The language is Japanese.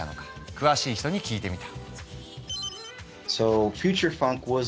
詳しい人に聞いてみた。